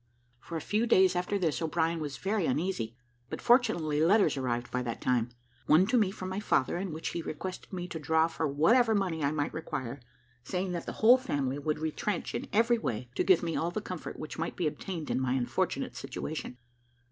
For a few days after this O'Brien was very uneasy, but fortunately letters arrived by that time; one to me from my father, in which he requested me to draw for whatever money I might require, saying that the whole family would retrench in every way to give me all the comfort which might be obtained in my unfortunate situation.